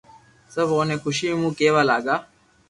سب اوني خوݾي مون ڪيوا لاگا